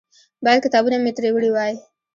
باید کتابونه مې ترې وړي وای.